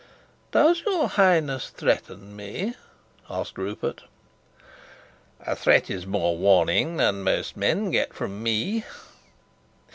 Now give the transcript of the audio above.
"Does your Highness threaten me?" asked Rupert. "A threat is more warning than most men get from me."